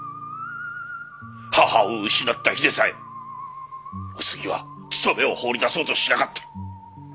母を失った日でさえお杉は勤めを放り出そうとしなかった。